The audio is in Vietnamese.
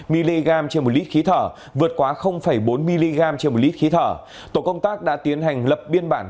mg trên một lít khí thở vượt quá bốn mg trên một lít khí thở tổ công tác đã tiến hành lập biên bản